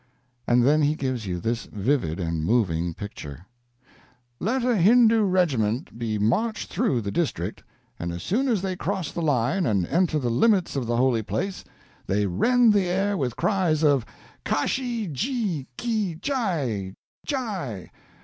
And then he gives you this vivid and moving picture: "Let a Hindoo regiment be marched through the district, and as soon as they cross the line and enter the limits of the holy place they rend the air with cries of 'Kashi ji ki jai jai!